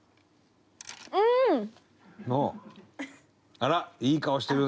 あらいい顔してるね！